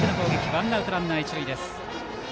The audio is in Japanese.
ワンアウトランナー、一塁です。